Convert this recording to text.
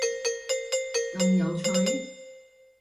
咁有趣？！